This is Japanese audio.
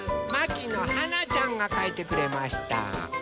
まきのはなちゃんがかいてくれました。